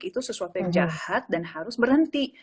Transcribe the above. itu sesuatu yang jahat dan harus berhenti